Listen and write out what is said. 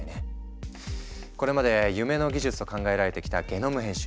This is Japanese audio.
これまで夢の技術と考えられてきたゲノム編集。